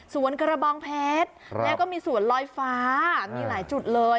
กระบองเพชรแล้วก็มีสวนลอยฟ้ามีหลายจุดเลย